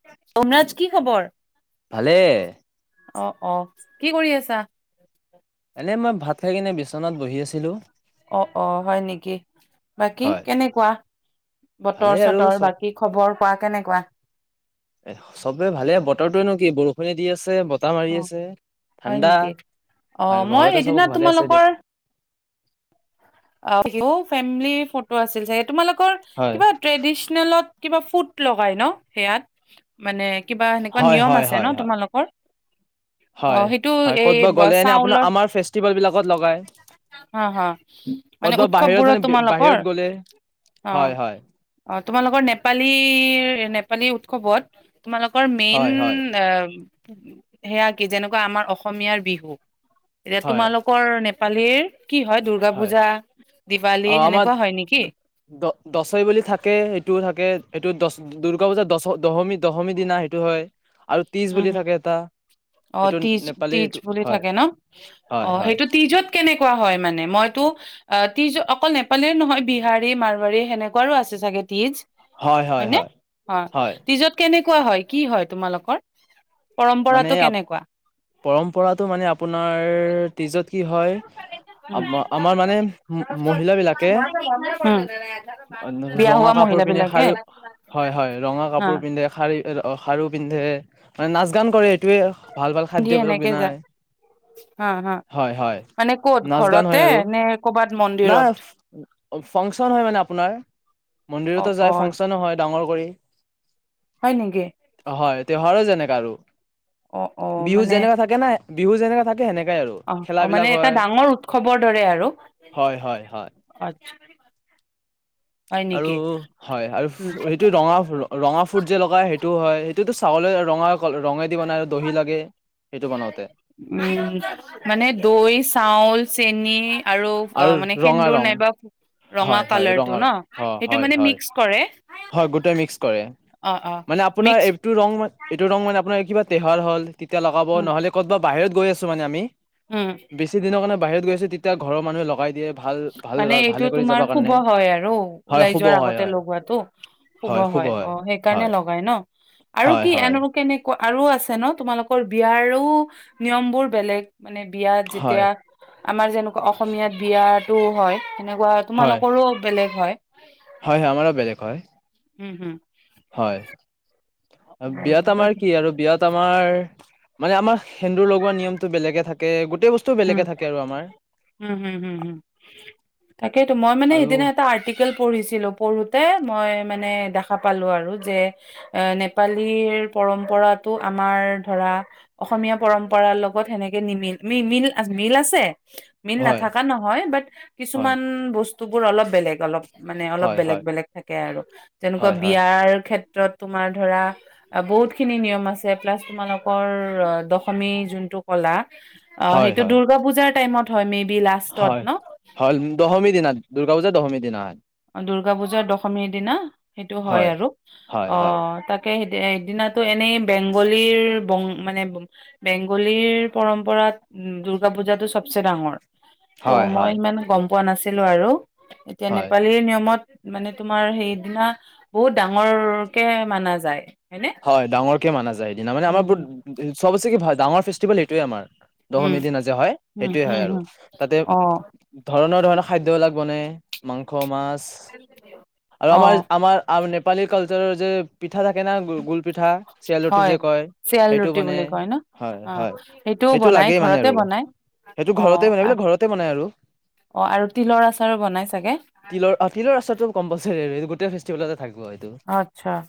[unintelligible] কি খবৰ? ভালে অ, অ, কি কৰি আছা? এনেই মই ভাত খাই কিনে বিচনাত বহি আছিলোঁ। অ, অ, হয় নেকি, বাকী হয় কেনেকুৱা, ভালে বতৰ আৰু চতৰ চব বাকী খবৰ [unintelligible] কেনেকুৱা। এ চবে ভালে বতৰটোনো কি বৰষুণে দি আছে তা মাৰি অ আছে, হয় ঠাণ্ডা। নেকি অ হয় মই ঘৰতে চব সেইদিনা ভালে আছে দিয়ক। অ, [unintelligible] ফেমিলি ফটো আছিল চাগে তোমালোক- [unintelligible] হয় কিবা ট্ৰেডিচনেলত কিবা ফুট লগাই ন সেয়াত, মানে কিবা সেনেকুৱা হয় নিয়ম হয় আছে ন হয় হয় তোমালোকৰ। অ, হয় সেইটো হয় এই ক'ত বা গ'লে এনে আপোনাৰ চাউলৰ, আমাৰ ফেষ্টিভেল বিলাকত লগাই হ হ। মানে ক'তবা বাহিৰত উৎসৱবোৰত মানে তোমালোকৰ। বাহিৰত গ'লে অ, হয় হয় অ, তোমালোকৰ নেপালীৰ নেপ উৎসৱত তোমালোকৰ মেইন হয় হয় সেয়া কি যেনেকুৱা আমাৰ অসমীয়াৰ বিহু এতিয়া হয় তোমালোকৰ নেপ পালিৰ কি হয় দুৰ্গা পূজা। দিৱালী অ, আমাৰ সেনেকুৱা হয় নেকি? দ দ দচই বুলি থাকে সেইটোও থাকে। এ এইটো দহ দুৰ্গা পূজাৰ দহ দশমী দশমী দিনা সেইটো হয়। আৰু ত্ৰিশ উম, বুলি হম। থাকে এটা অ, সেইটো তীজ তীজ নেপালীটো বুলি হয়, থাকে ন। অ, হয়, হয়, সেইটো তীজত কেনেকুৱা হয় মানে মই টো অ, তীজ অকল নেপালীৰ নহয় বিহাৰী, মাৰোৱাৰী সেনেকুৱাৰো আছে চাগে তীজ। হয় নে অ হয়। তীজত কেনেকু কোৱা হৈ কি হয় তোমালোকৰ মানে পৰম্পৰাটো আপ, কেনেকুৱা? পৰম্পৰাটো মানে আপোনাৰ তীজত কি হয়, আম আমাৰ উম মানে ম মহিলা বিলাকে, উম, বিয়া ৰঙা হোৱা কাপোৰ মহিলা পিন্ধি বিলাকে শাৰী হয় হয়, ৰঙা হা কাপোৰ পিন্ধি শাৰী খাৰু পিন্ধে, মানে নাচ [unintelligible] ভাল ভাল দি খাদ্যবিলাক সেনেকে যা, বনাই হা হা, হয়, হয়, মানে ক'ত নাচ গান হয় ঘৰতে আৰু নে ক'বাত নাই মন্দিৰত। ফাংচন হয় মানে আপোনাৰ। অ মন্দিৰতো অ যায় ফাংচনো হয় ডাঙৰ কৰি। হয় নেকি। তেহৱাৰৰ যেনেকৈ আৰু। অ অ বিহুত মানে যেনেকে থাকে না বিহু যেনেকা থাকে সেনেকাই আৰু অ অ খেলাবিলাক মানে এটা হয় ডাঙৰ উৎসৱৰ দৰে আৰু হয় হয় হয় আ্ছা আৰু হয় আৰু উম সেইটো ৰঙা ৰঙা ফুট যে লগা সেইটো হয় সেইটোতো চাউল ৰঙা ৰঙে উ মানে দৈ চাউল চেনি আৰু অ মানে ৰঙা সেন্দুৰ ৰং নাইবা ৰঙা হয় হয় কালাৰটো ৰঙা ন ৰং অ সেইটো হয় মানে হয় মিক্স কৰে হয় গোটেই মিক্স কৰে অ অ মানে আপোনাৰ মিক্স এইটো ৰ এইটো ৰং মানে আপোনাৰ কিবা তিহল হ'ল তেতিয়া লগাব উম নহ'লে ক'ত বা বাহিৰত গৈ আছোঁ মানে আমি। উম বেছি দিনৰ কাৰণে বাহিৰ গৈ আছে তেতিয়া ঘৰ মানুহে লগাই দিয়ে ভাল ভাল মানে এইটো ভালে কৰি যাবৰ তোমাৰ শুভ কাৰণে হয় আৰু হয় উওলাই শুভ যোৱাৰ হয় আগতে হয় লগোৱাাতটো? শুভ হয় অ' সেইকাৰণে লগাই ন আৰু হয়, কি হয়, এনে কেনেকুৱা আৰু আছে ন তোমালোকৰ বিয়াৰো নিয়ম বোৰ বেলেগ? মানে বিয়াত হয়, যেতিয়া আমাৰ যেনেকুৱা অসমীয়াত বিয়াত টো হয় সেনেকুৱা হয়, তোমালোকৰো বেলেগ হয়? হয়, হয় আমাৰো বেলেগ হয়, উম হুম। হয়। বিয়াত আমাৰ কি আৰু বিয়াত আমাৰ মানে আমাৰ সেন্দুৰ লগোৱা নিয়মতটো বেলেগে থাকে গোটেই বস্তু উম বেলেগে থাকে আৰু আমাৰ। উম তাকেইেতো মই মানে আৰু সদিনা এটা আৰ্টিকেল পঢ়িছিলো পঢ়োতে মই মানে দেখা পালো আৰু যে এ নেপালীৰ পৰম্পৰাটো আমাৰ ধৰা অসমীয়া পৰম্পৰাৰ লগত সেনেকে নিমিল নিমিল আজ মিল আছে মিল হয়, নাথকা নহয় বাট হয়, কিছুমান বস্তুবোৰ অলপ বেলেগ অলপ মানে অলপ হয়, বেলেগ হয়, বেলেগ থাকে আৰু যেনেকুৱা হয়, হয়, বিয়াৰ ক্ষেত্ৰ তোমাৰ ধৰা বহুতখিনি নিয়ম আছে প্লাছ তোমালোকৰ দশমী যোনটো কলা অ' হয়, সেই হয়, দূৰ্গা পূজা টাইমত তমি হয় হয় দহমি দিনা। গ যে দহমী দিনত। দুৰ্গা পূজাৰ দশমীৰ দিনা সেইটো হয় আৰু হয়, হয়, অ' তাকে স এদিনাতো এনে বেংগলীৰ মানে বেংগলীৰ পৰম্পৰাত উ দূৰ্গা পূজাতটো চবচে ডাঙৰ ত' হয়, মই হয়। ইমান গম পোৱা নাছিলো আৰু এতিয়ানে হয়, নিয়মত মানে তোমাৰ সেইদিনা বহুত ডাঙৰ কে মানা যায়। হয়নে হয় ডাঙৰকে মানা যায় সেইদিনা মানে আমাৰ বোৰ উম চবেচ কি ভাল ডাঙৰ ফেষ্টিভ এইেটোৱেই আমাৰ। হম দশমী দিন আজি হয় হম সেইটোয়ে হয় আৰু হম তাতে অ ধৰণৰ ধৰণৰ খাদ্য বিলাক বনে মাংস মাছ আৰু অ আমাৰ আমাৰ আ মানে নেপালীৰ কালচাৰৰ যে পিঠা থাকে না গুল পিঠা চেল ৰুটি হয় যে কই চিয়াল ৰুটি মানে বুলি কয় ন হয় অ হয় সেইটোও সেইটো বনাই লাগেই মানে ঘৰতে আৰু বনাই সেইটো অ ঘৰতে মানে এইবিলাক ঘৰতে বনাই আৰু অ আৰু তিলৰ আচাৰো বনাই চাগে তিলৰ অ তিলৰ আছেতো কম্পালছৰি গোটেই ফেষ্টিভেল এটাত থাকিব হয়টো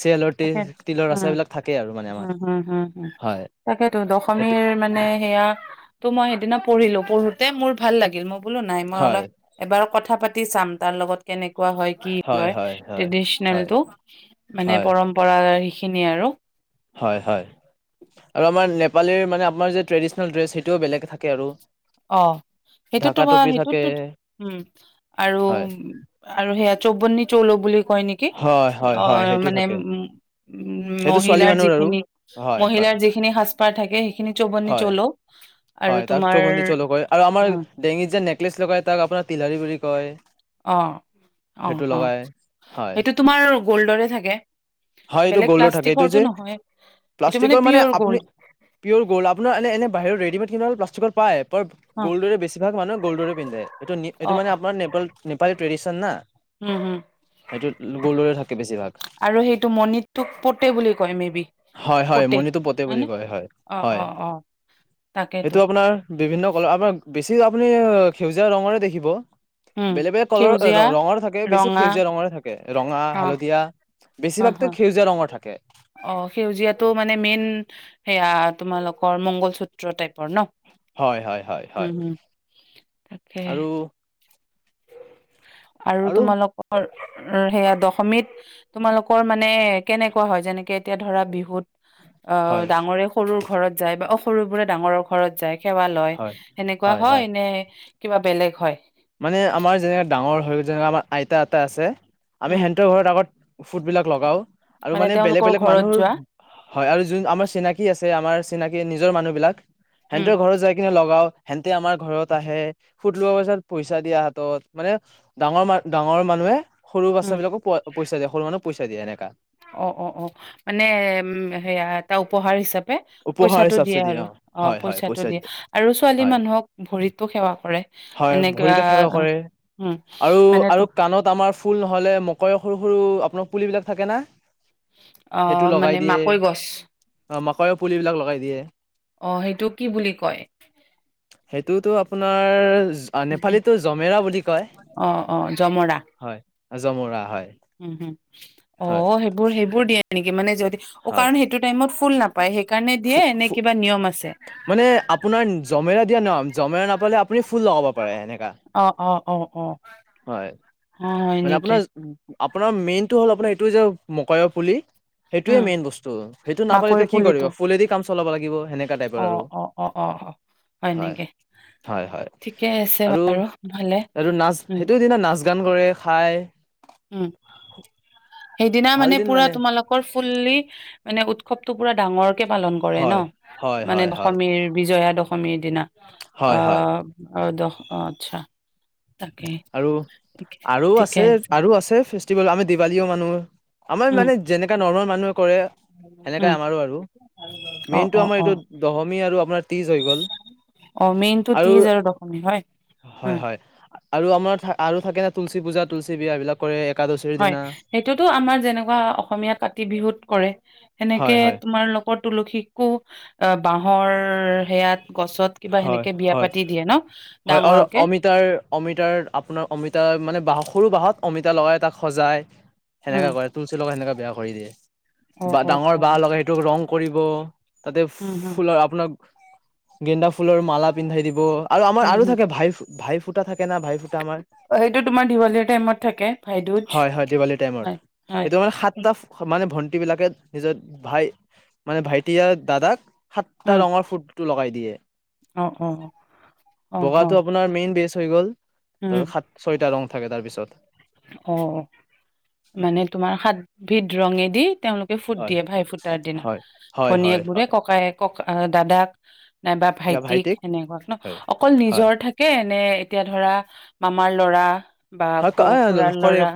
চেলটি উমম হম হম হয় তাকেতো এইটো দশমীৰ মানে সেয়া তো মই সেইদিনা পঢ়িলো পঢ়োতে মোৰ ভাল লাগিল মোক বোলো নাই মই হয় অলপ এবাৰো কথা পাতি পাতি চাম তাৰ লগত কেনেকে কোৱা হয় কি হয় ট্ৰেডিচনেল টো মানে হয় পৰম্পৰা সেইখিনিয়ে আৰু হয় হয় আৰু আমাৰ নেপালীৰ মানে আপাৰ যে ট্ৰেডিচনেল ড্ৰেছ সেইটোও বেলেগ থাকে আৰু অ সেইটোত ঢাকা তো মই টপি থাকে সেইটোততো উম আৰু হয় আৰু সেয়া চৌৱনী চলো বুলি কয় নেকি হয়, হয়, অ হয়, সেইটো মানে থাকে। উ উ সেইটো ছোৱালী মহিলাৰ মানুহৰ আৰু যিখিনি হয়, হয়, মহিলাৰ যিখিনি সাজ পাৰ থাকে সেইখিনি চবনি হয়, চলোও আৰু হয়, তাক তোমাৰ চৌবন্দী চলো আৰু আমাৰ ডেঙিত যে নেকলেছ লগায় তাক আপোনাৰ তিলাৰী বুলি কয় অ', অ', সেইটো অ', লগায় হয় সেইটো তোমাৰ গ'ল্ডৰে থাকে। হয় এইটো বেলেগ গ'ল্ডৰ থাকে এইটো প্লাষ্টিকৰটো যে নহয়, সেইটো প্লাষ্টিকৰ মানে পিয়ৰ আপুনি গ'ল্ড পিয়'ৰ গ'ল্ড আপোনাৰ এনে এনে বাহিৰৰত ৰেডিমেড ক প্লাষ্টিকৰ পাইপ অ', গল দৰে বেছিভাগ মানুহ গল দৰে পিন্ধে এইটো এই মান অ', আপোনাৰ নেপাল নেপী ট্ৰেডিচন না উম, উম, সেইটো গল্ডৰে থাকে বেছিভাগ মণিতটোক পতে বুলি কয় মে বি হয়, হয়, পতে মণিটো পতে বুলি হয়নে কয় হয়, অ হয়, অ অ তাকেইেতো সেইটো আপোনাৰ বিভিন্ন কলৰ আপোনাৰ বেছি আপুনি সেউজীয়া ৰঙৰে দেখিব উম, বেলেগ বেলেগ কলৰৰ সেউজীয়া ৰঙৰ থাকে বেছি ৰঙা সেউজীয়া ৰঙৰে থাকে ৰঙা অ', হালধীয়া বেছিভাগ অ', এক অ', সেউজীয়া ৰঙৰ থাকে অ সেউজীয়াাতটো মানে মেইন সেয়া তোমালোকৰ মংগলসূত্ৰ টাইপ ন হয় হয় হয় হয় উম উম তাকে আৰু আৰু তোমালোকৰ সেয়া দশমীত তোমালোকৰ মানে কেনেকা কোৱা হয় যেনেকে এতিয়া ধৰা বিহুত অ হয় ডাঙৰে সৰু ঘৰত যায় বা সৰুবোৰে ডাঙৰ ঘৰত যায় সেৱা লয় হয় সেনেকুৱা হয় নে কিবা বেলেগ হয় মানে আমাৰ যেনেকে ডাঙৰ হৈ যেনেকে আমাৰ আইতা আইতা আছে আমি উম, সেহত ঘৰত আগত ফুডবিলাক লগাওঁ আৰু মানে বেলেগ তেওঁলোকৰ বেলেগ ঘৰত মানুহৰ যোৱা হয় আৰু যোন আমাৰ চিনাকি আছে যে আমাৰ চিনাকি নিজৰ মানুহবিলাক হেনে উম, ত ঘৰত যাই কিনে লগাও হেনতে আমাৰ ঘৰত আহে ফুত লোৱাৰ পাছত পইচা দিয়া হাতত মানে ডাঙৰ ম ডাঙৰ মানুহে সৰু উম, বাচ্ছাবিলাকক পইচা দিয়ে সৰু মা পইচা দিয়ে এনেকা অ', অ', অ', পঢ়াৰ হিচাপ উপহাৰ পইচাটো হিচাপচে দিয়ে আৰু অ হয় হয় পইচাটো পইচা দিয়ে আৰু ছোৱালী হয় মানুহক ভৰিতো সেৱা কৰে হয় এনেকা ভৰিতে সেৱা কৰে উম, আৰু মানে তো আৰু কাণত আমাৰ ফুল নহ'লে মকৰেৰ সৰু সৰু আপোনাৰ পুলিবিলাক থাকে না সেইটো আহ লগাই মানে দিয়ে মাকৈ গছ অ মাকৈৰ পুলিবিলাক লগাই দিয়ে অ সেইটো কি বুলি কয় সেইটোতো আপোনাৰ আৰৰৰ নেপালীটো জমেৰা বুলি কয় অ', অ', জমৰা হয় জমৰা হয় উম হম হয় অ সেইবোৰ সেইবোৰ দিয়ে নেকি মানে যদি অ হয় কাৰণ সেইটো টাইমত ফুল নাপায় সেইকাৰণে দিয়ে ফু এনে ফু কিবা নিয়ম আছে নাম জমেৰা নাপালে আপুনি ফুল লগাব পাৰে সেনেককা অ অ অ অ হয় হয় মানে নেকি আপোনাৰ আপোনাৰ মেইনটো হ'ল আপোনাৰ এইটো যে মকায়ৰ পুলি সেইটোৱে উম মেইন বস্তু সেইটো নাপালে মাকৈ এতিয়া কি কৰিব পুলিটো ফুলেদি কাম চলাব লাগিব সেনেকা টাইপৰ অ আৰু অ অ অ অ হয় নেকি হয় হয় ঠিকে আছে আৰু বাৰু ভলে উম যোগান কৰে খায় উম সেইদিনা ভাল মানে দিন পুৰা তোমালোকৰ ফুল্লি মানে উৎসৱটো পুৰা ডাঙৰ পালন কৰে ন হয় হয় মানে হয় হয় দশমীৰ বিজয়া দশী অসমীয়া দিনা অ হয় হয় হ'দ অ আচ্ছা তাকে আৰু ঠিকে আৰু ঠিকে আছে আৰু আছে ফেষ্টিভেল আমি দিৱালীও মানুহ আমাৰ উম মানে যেনেকা নৰ্মেল মানুহ কৰে সেনেকা উম আমাৰো আৰু অ মেইনটো অ আমাৰ অ এইটো দশ আৰু আপোনাৰ তীজ হৈ গ'ল অ মেইনটো তিজ আৰু দশমি হয় হয় উম হয় আৰু আমাৰ আৰু থাকে ন তুলসী পূজা তুলসী বিয়া এই বিলাক কৰে একাদশীৰ হয় দিনা সেইটোতো আমাৰ যেনেকুৱা অসমীয়া কাতি বিহুত কৰে সেনেকে হয় হয় তোমাৰ লগত তুলসীকো বাঁহৰ সেয়াত গছত কিবা হয়, সেনেকে বিয়া হয়। পাতি দিয়ে ন হয় আৰু ডাঙৰকে অমিতাৰ অমিতাৰ আপোনাৰ অমিতা মানে বাঁহত সৰু বাঁহত অমিতা লগাই তাক সজায় উম সেনেকা কৰে, তুলচি লগাই সেনেকা বিয়া কৰি দিয়ে। অ বা অ ডাঙৰ অ বাঁহ লগা সেইটোক ৰং কৰিব তাতে উম হম ফুলৰ আপোনাৰ গেন্দা ফুলৰ মালা পিন্ধাই দিব। আৰু আমাৰ হম আৰু হম থাকে ভাই ভাই ফুটা থাক সেইটো তোমাৰ দীঘলীয়া টাইমত থাকে, ভাই হয়, হয়, দিৱালী টাইমত, সেইটো মানে সাতটা মানে ভন্ট বিলাকে, নিজৰ ভাই মানে ভাইটি আৰু দাদাক সাতটা উম ৰঙৰ ফুট লগাই দিয়ে। অ অ অ অ বগাটো আপোনাৰ মেইন বেচ থৈ গ'ল। উম তাৰ সাত-ছয়টা ৰং থাকে তাৰপিছত। অ', অ। মানে তোমাৰ সাত বিধ ৰঙেদি তেওঁলোকে ফুট হয় দিয়ে ভাই ফুটাৰ দিনা, হয় হয় হয় ভনীয়েক বোৰে হয় ককায়েক আ', দাদাক নাইবা ভাইটিক সেনেকুৱা ন, হয় অকল হয় নিজৰ থাকে এনে, এতিয়া ধৰা মামাৰ ল'ৰা বা হয় খুক খূৰাৰ কৰে ল'ৰা।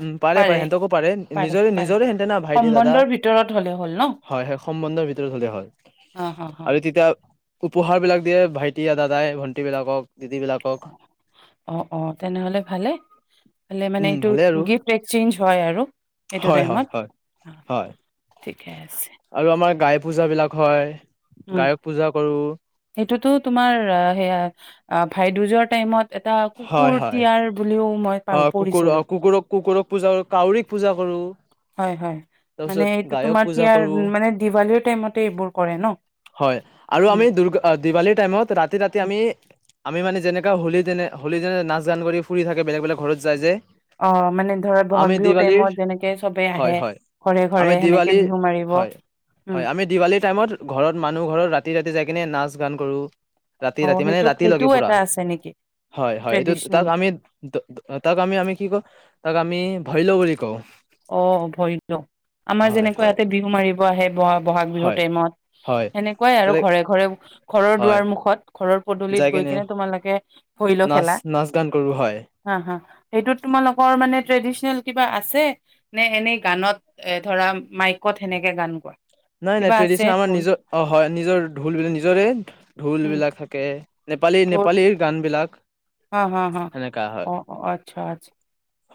উম, পাৰে-পাৰে সিহঁতকো পাৰে, নিজৰে-নিজৰে হেহঁতে না ভাইটি দাদা। সম্বন্ধৰ ভিতৰত হ'লে হ'ল ন হয়, হয় সম্বন্ধৰ ভিতৰত হ'লে হল। অ হ হ আৰু তেতিয়া উপহাৰ বিলাক দিয়ে, ভাইটি দাদাই ভণ্টী বিলাকক। দিদি বিলাকক অ', অ', তেনেহ'লে ভাল [unintelligible] এই ফালে মানে উম এইটো, ভালে আৰু গিফ্ট এক্সেঞ্জ হয় আৰু, সেইটো হয় হয় টাইমত হয় অ হয় ঠিকেই আছে। পূজাবিলাক হয়। উম গায়ক পূজা কৰো। এইটোতো তোমাৰ সেয়া, আ ভাইদোজৰ টাইমত এটা কুকুৰ হয়, হয়। তিয়াৰ বুলিও মই পাৰ অ, পঢ়িছিলো কুকুৰ-কুকুৰক-কুকুৰক পূজা কৰো, কাউৰীক পূজা কৰো। হয় হয় মানে তাৰপিছত এইটো গায়ক তোমাৰ পূজা ইয়াৰ কৰো মানে দিৱালীৰ টাইমতে এইবোৰ কৰে ন হয় আৰু উম আমি দুৰ্গা দিৱালীৰ টাইমত ৰাতি ৰাতি উম। আমি আমি মানে যেনেকা হলি তেনে হলী যেনে নাচ গান কৰি ফুৰি থাকে বেলেগ বেলেগ ঘৰত যায় যে অ মানে ধৰা বহাগ আমি বিহুৰ দিৱালীৰ টাইমত যেনেকে চবে হয় আহে হয় ঘৰে ঘৰে আমি সেনেকে দিৱালী বিহু মাৰিব হয় উম হয় আমি দিৱালী টাইমত ঘৰত মানুহ ঘৰত ৰাতি ৰাতি যাই কিনে নাচ গান কৰো। ৰাতি অ ৰাতি মানে সেইটো ৰাতিলৈকে সেইটোও পুৰা এটা আছে নেকি? হয় হয় এটো ট্ৰেডিচনেল তাক আমি তাক আমি আমি কি ক তাক আমি ভয়লু বুলি কওঁ। অ ভৰিতলো আমাৰ হয় যেনেকুৱা হয় ইয়াতে বিহু মাৰিব আহে ব বহাগ বিহুৰ হয় টাইমত হয় সেনেকুৱাই আৰু তাতে ঘৰে ঘৰে ঘৰৰ হয় দুৱাৰ মুখত। ঘৰৰ যাই পদুলিত গৈ কেনে কিনে তোমালোকে ভৰিল নাচ খেলা নাচ গান কৰো হয় হা হা। সেইটোত তোমালোকৰ মানে ট্ৰেডিচনেল কিবা আছে নে এনেই গানত এ ধৰা মাইকত সেনেকৈ গান গোৱা নাই নাই কিবা আছে ট্ৰেডিশন আম ঢোল নিজৰ অ হয় নিজৰ ঢোল বিলাক নিজৰে ঢোল উম বিলাক থাকে নেপালী ঢোল নেপালীৰ গান বিলাক হা হা হা সেনেকাা হয় অ অ আচ্ছা আচ্ছা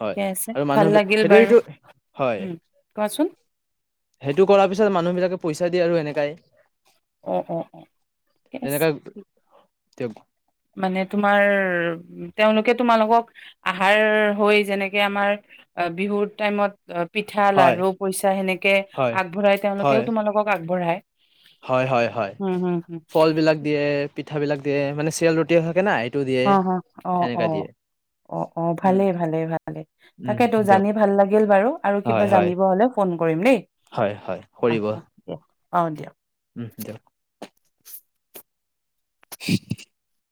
হয় আছে আৰু ভাল মানুহ বিিলাক লাগিল সেইটো বাৰু এইটো হয় উম কোৱাচোন সেইটো কৰাাৰ পিছত তাৰ পিছত মানুহ বিলাকে পইচা দিয় আৰু এনেকাই অঁ অঁ অঁ ঠিক আছে তে মানে তোমাৰ তেওঁলোকে তোমালোকক আহাৰ হৈ যেনেকৈ আমাৰ বিহুৰ টাইমত অঁ পিঠা হয় লাৰু পইচা সেনেকৈ হয়, আগবঢ়াই হয়, তেওঁলোকেও তোমালোকক আগবঢ়ায় হয় হয় হয় হম হম হম ফল বিলাক দিয়ে পিঠাবিলা কিয়োনে চৰিয় টি থাকে নাই অঁ অঁ অঁ অঁ অঁ অঁ উম, ভালেই ভালেই ভালেই উম, তাকেতো দিয়ক জানি ভাল লাগিল বাৰু আৰু হয়, কিবা হয়, জানিব হলেও ফোন কৰিম দেই হয়, হয়, আহ কৰিব আহ দিয় অঁ দিয়া উম দক [inaudible]